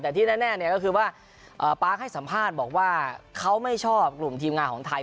แต่ที่แน่ก็คือว่าปาร์คให้สัมภาษณ์บอกว่าเขาไม่ชอบกลุ่มทีมงานของไทย